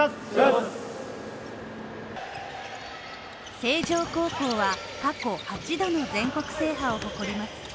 星城高校は過去８度の全国制覇を誇ります。